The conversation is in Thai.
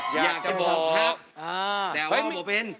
อยากจะบอกแต่ว่าประเปน